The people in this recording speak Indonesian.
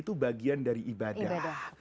itu bagian dari ibadah